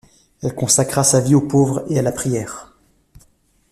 Elle consacre sa vie aux pauvres et à la prière.